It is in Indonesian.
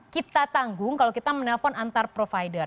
kita tanggung kalau kita menelpon antar provider